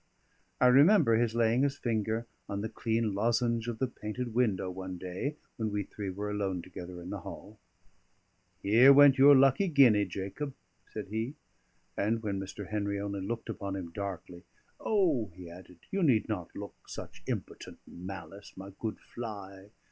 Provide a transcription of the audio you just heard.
I remember his laying his finger on the clean lozenge of the painted window one day when we three were alone together in the hall. "Here went your lucky guinea, Jacob," said he. And when Mr. Henry only looked upon him darkly, "O!" he added, "you need not look such impotent malice, my good fly.